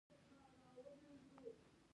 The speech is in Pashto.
دوستي دوطرفه پالل کیږي